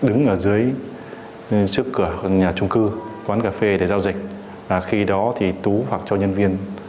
đối tượng tú mà chỉ được đứng ở dưới trước cửa nhà chung cư quán cà phê để giao dịch khi đó thì tú hoặc cho nhân viên